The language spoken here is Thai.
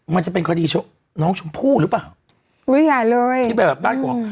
มันจะเป็นความดีน้องชมพู่หรือเปล่าอุ๊ยหลายเลยที่ไปแบบบ้านกว่า